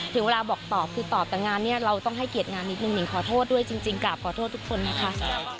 ถึงเวลาบอกตอบคือตอบแต่งานเนี่ยเราต้องให้เกียรติงานนิดนึงหิ่งขอโทษด้วยจริงกราบขอโทษทุกคนนะคะ